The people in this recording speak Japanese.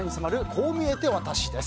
こう見えてワタシです。